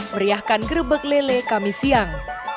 meriahkan gerebek lele kami siang